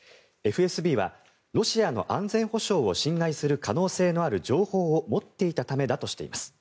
ＦＳＢはロシアの安全保障を侵害する可能性のある情報を持っていたためだとしています。